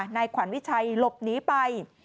นายขวัญวิชัยหลบหนีไป